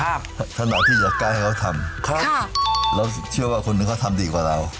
ครับทำแล้วที่จะกล้าให้เขาทำครับครับแล้วเชื่อว่าคุณเนี้ยเขาทำดีกว่าเรา